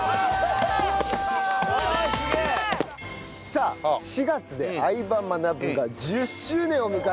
さあ４月で『相葉マナブ』が１０周年を迎えると。